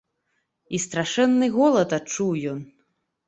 І страшэнны голад адчуў ён.